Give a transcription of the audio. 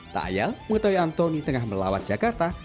tak ayal mengetahui antoni tengah melawat jakarta